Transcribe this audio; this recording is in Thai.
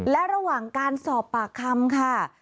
และระหว่างการสอบปากคำค่ะ